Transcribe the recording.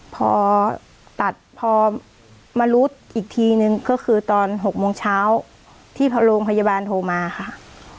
พอตัดพอมารู้อีกทีนึงก็คือตอน๖โมงเช้าที่โรงพยาบาลโทรมาค่ะ